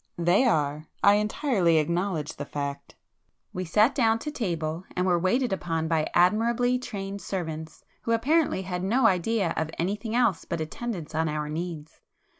"They are. I entirely acknowledge the fact!" We sat down to table, and were waited upon by admirably trained servants who apparently had no idea of anything else but attendance on our needs.